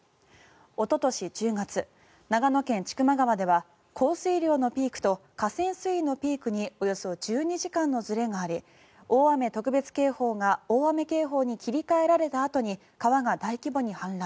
おととし１０月長野県・千曲川では降水量のピークと河川水位のピークにおよそ１２時間のずれがあり大雨特別警報が大雨警報に切り替えられたあとに川が大規模に氾濫。